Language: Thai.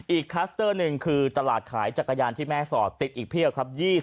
คลัสเตอร์หนึ่งคือตลาดขายจักรยานที่แม่สอดติดอีกเพียบครับ